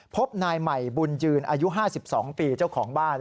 พบนายใหม่บุญยืนอายุ๕๒ปีเจ้าของบ้าน